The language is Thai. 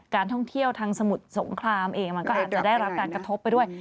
การท่องเที่ยวทางสมุทรสงครามเองมันก็อาจจะได้รับการกระทบไปด้วย